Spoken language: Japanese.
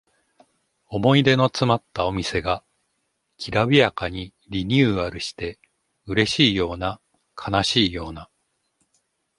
思い出のつまったお店がきらびやかにリニューアルしてうれしいような悲しいような